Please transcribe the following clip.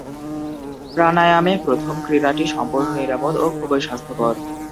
প্রাণায়ামে প্রথম ক্রিয়াটি সম্পূর্ণ নিরাপদ ও খুবই স্বাস্থ্যকর।